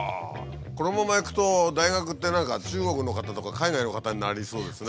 このままいくと大学って何か中国の方とか海外の方になりそうですね。